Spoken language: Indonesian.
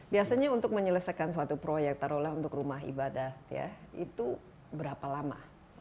biasanya untuk menyelesaikan suatu proyek taruhlah untuk rumah ibadah ya itu berapa lama